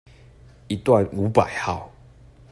一段五百號